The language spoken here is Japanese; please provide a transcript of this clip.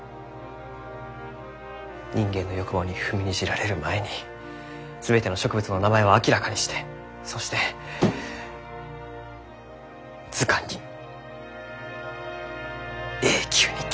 人間の欲望に踏みにじられる前に全ての植物の名前を明らかにしてそして図鑑に永久に刻む。